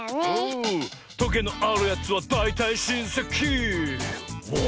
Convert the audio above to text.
「トゲのあるやつはだいたいしんせきおお」